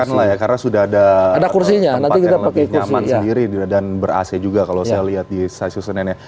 katakanlah ya karena sudah ada tempat yang lebih nyaman sendiri dan ber ac juga kalau saya lihat di stasiun senen ya